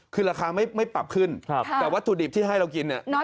คือราคาไม่ปรับขึ้นแต่วัตถุดิบที่ให้เรากินเนี่ย